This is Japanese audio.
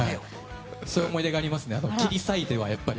そういう思い出がありますね。